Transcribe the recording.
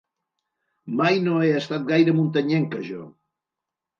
Mai no he estat gaire muntanyenca, jo.